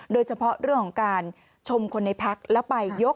โดยเฉพาะเรื่องของการชมคนในภักดิ์